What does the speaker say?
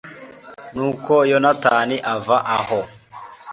nuko yonatani ava aho